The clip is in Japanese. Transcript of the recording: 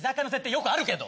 よくあるけど。